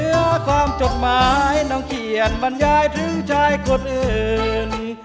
หรือความจดหมายนองเขียนบรรยายธรินชายคนอื่น